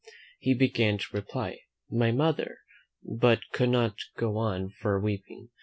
He began to reply, "My mother " but could not go on for weeping.